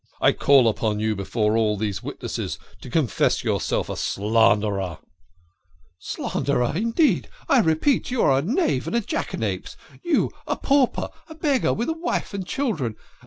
I call on you before all these witnesses to confess yourself a slanderer !"" Slanderer, indeed ! I repeat, you are a knave and a jackanapes. You a pauper a beggar with a wife and children.